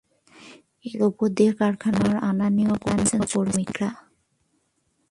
এর ওপর দিয়ে কারখানায় মালামাল আনা নেওয়া করছেন শ্রমিকেরা।